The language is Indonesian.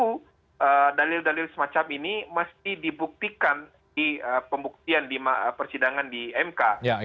dan ada dalil dalil semacam ini mesti dibuktikan di pembuktian persidangan di mk